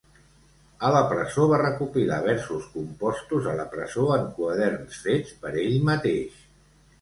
A la presó, va recopilar versos compostos a la presó en quaderns fets per ell mateix.